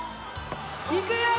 いくよー！